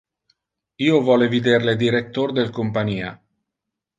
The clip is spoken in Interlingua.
Io vole vider le director del compania.